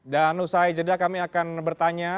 dan usai jeda kami akan bertanya